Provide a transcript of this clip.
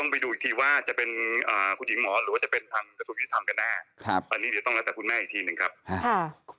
พี่หนุ่ม